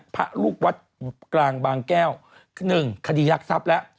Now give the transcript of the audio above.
พระลูกวัดกลางบางแก้ว๑คดีรักทรัพย์แล้ว